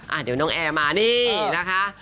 อ่ะเดี๋ยวน้องแอร์มานี่นะคะ